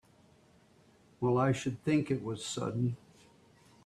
Well I should think it was sudden!